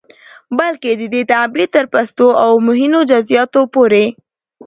بلکې د دې تعبير تر پستو او مهينو جزيىاتو پورې